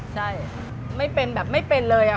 ใช่ไม่เป็นแบบไม่เป็นเลย